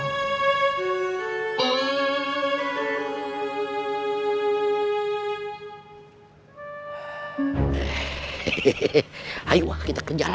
semoga dia menjadi tahu cara jiwa